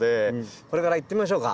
これから行ってみましょうか。